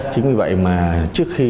chính vì vậy mà trước khi